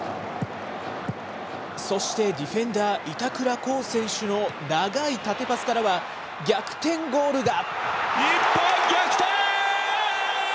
そしてディフェンダー、板倉滉選手の長い縦パスからは、逆転ゴー日本逆転！